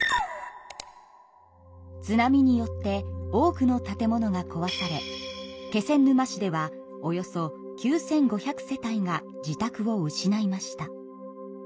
津波によって多くの建物がこわされ気仙沼市ではおよそ９，５００世帯が自宅を失いました。